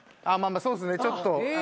そうですねちょっと。